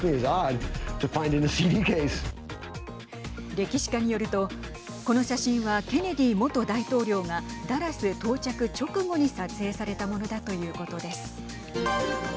歴史家によるとこの写真はケネディ元大統領がダラス到着直後に撮影されたものだということです。